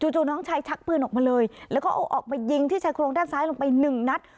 จู่น้องชายชักปืนออกมาเลยแล้วก็เอาออกมายิงที่ชายโครงด้านซ้ายลงไปหนึ่งนัด